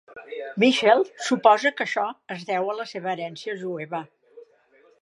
Michael suposa que això es deu a la seva herència jueva.